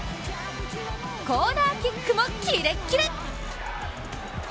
コーナーキックもキレッキレ！